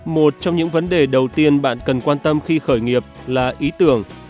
một trong những vấn đề đầu tiên bạn cần quan tâm khi khởi nghiệp là ý tưởng